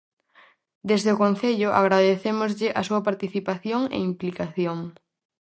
Desde o concello agradecémoslle a súa participación e implicación.